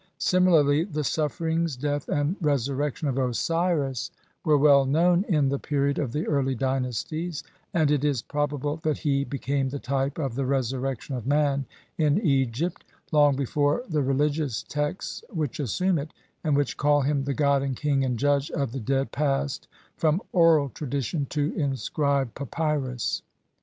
Similarly, the sufferings, death, and re surrection of Osiris were well known in the period of the early dynasties, and it is probable that he became the type of the resurrection of man in Egypt, long before the religious texts which assume it and which call him the god and king and judge of the dead passed from oral tradition to inscribed papyrus.